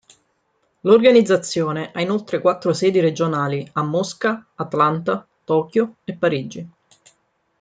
L'organizzazione ha inoltre quattro sedi regionali a Mosca, Atlanta, Tokyo e Parigi.